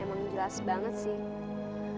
emang jelas banget sih